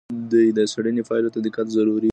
د څېړنې پایلو ته دقت ضروری دی.